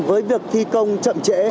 với việc thi công chậm trễ